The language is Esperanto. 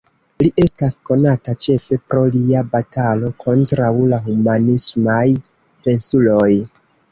Li estas konata ĉefe pro lia batalo kontraŭ la humanismaj pensuloj.